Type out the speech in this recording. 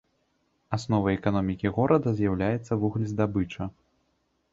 Асновай эканомікі горада з'яўляецца вуглездабыча.